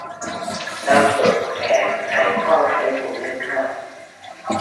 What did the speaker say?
การเปิดแผงไก่ทอดใช้ทุนไม่มาก